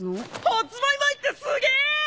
発売前ってすげえ！